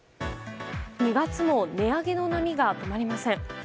２月の値上げの波が止まりません。